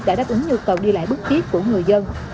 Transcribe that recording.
đã đáp ứng nhu cầu đi lại bước tiếp của người dân